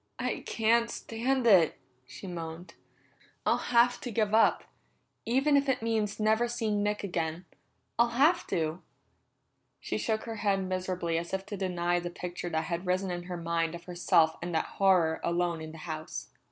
"I can't stand it!" she moaned. "I'll have to give up, even if it means never seeing Nick again. I'll have to!" She shook her head miserably as if to deny the picture that had risen in her mind of herself and that horror alone in the house.